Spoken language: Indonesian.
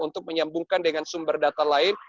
untuk menyambungkan dengan sumber data lain